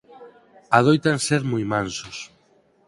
Adoitan ser moi mansos.